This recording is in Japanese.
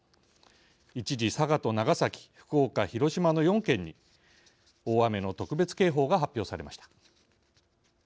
一時、佐賀と長崎福岡、広島の４県に大雨の特別警報が発表されました。